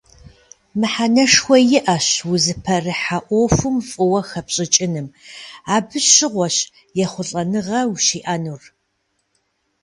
Мыхьэнэшхуэ иӀэщ узыпэрыхьэ Ӏуэхум фӀыуэ хэпщӀыкӀыным, абы щыгъуэщ ехъулӀэныгъэ ущиӀэнур.